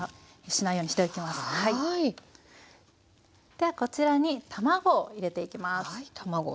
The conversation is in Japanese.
ではこちらに卵を入れていきます。